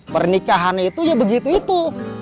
pernikahan itu ya begitu itu